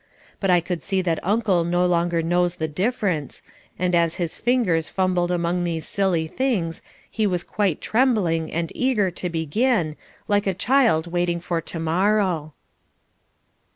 But I could see that Uncle no longer knows the difference, and as his fingers fumbled among these silly things he was quite trembling and eager to begin, like a child waiting for to morrow.